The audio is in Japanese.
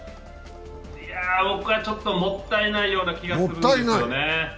僕はちょっともったいないような気がするんですよね。